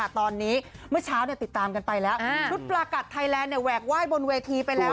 ตอนนี้เมื่อเช้าติดตามกันไปแล้วชุดประกัดไทยแลนด์แหวกไหว้บนเวทีไปแล้ว